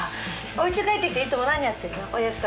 お家帰ってきていつも何やってるの？